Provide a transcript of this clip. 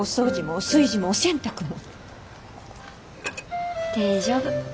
大丈夫。